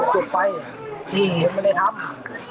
ดูไม่ได้ทำ